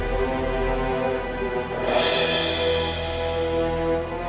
apakah aku bisa menjagamu